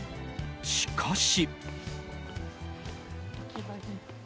しかし。